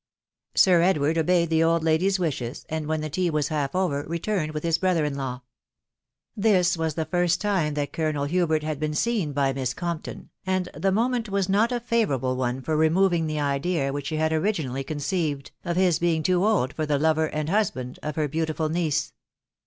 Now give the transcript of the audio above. Sir Edward obeyed the old lady's wishes, and when the tea was half over, returned with his brother in law. This was the first time that Colonel Hubert had been seen by Miss Com p ton, and the moment was not a favourable one for re moving the idea which she had originally conceived, of his being too old for the lover and husband of her beautiful niece.